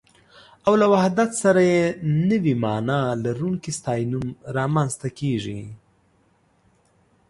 او له وحدت سره يې نوې مانا لرونکی ستاينوم رامنځته کېږي